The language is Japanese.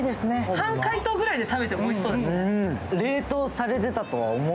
半解凍ぐらいで食べてもおいしそうだね。